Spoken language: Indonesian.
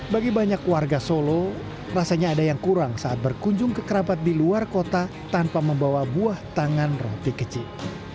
bagi banyak warga solo rasanya ada yang kurang saat berkunjung ke kerabat di luar kota tanpa membawa buah tangan roti kecil